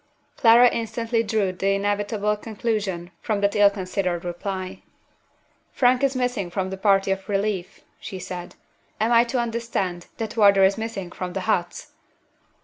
Clara instantly drew the inevitable conclusion from that ill considered reply. "Frank is missing from the party of relief," she said. "Am I to understand that Wardour is missing from the huts?"